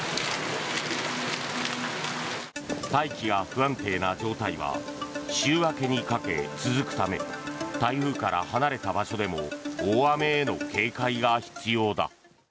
大気が不安定な状態は週明けにかけ続くため台風から離れた場所でも大雨への警戒が必要だ。